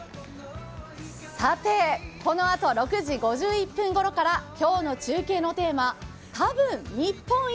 さて、このあと６時５１分ごろから今日の中継のテーマ「多分日本一？！